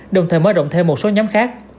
đồng thời mở động thêm một số nhóm khác